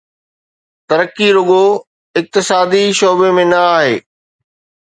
ترقي رڳو اقتصادي شعبي ۾ نه آهي.